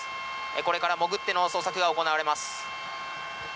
これから潜っての捜索が行われます。